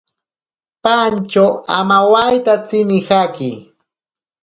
Pantyo amawaitatsi nijaki.